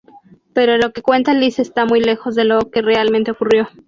Pero lo que cuenta Liz está muy lejos de lo que realmente ocurrió.